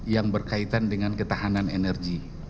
yang berkaitan dengan ketahanan energi